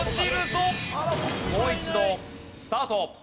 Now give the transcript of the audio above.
もう一度スタート。